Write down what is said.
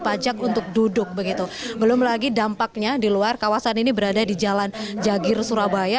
pajak untuk duduk begitu belum lagi dampaknya di luar kawasan ini berada di jalan jagir surabaya